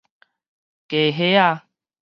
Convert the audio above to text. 家伙仔